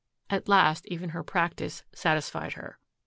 At last even her practice satisfied her.